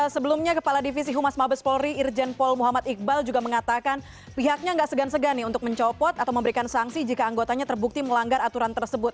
sebelumnya kepala divisi humas mabes polri irjen pol muhammad iqbal juga mengatakan pihaknya nggak segan segan untuk mencopot atau memberikan sanksi jika anggotanya terbukti melanggar aturan tersebut